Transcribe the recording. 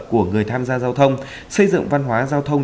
của người tham gia giao thông xây dựng văn hóa giao thông